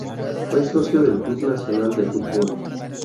Fue socio del Club Nacional de Futbol.